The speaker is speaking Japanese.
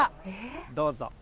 どうぞ。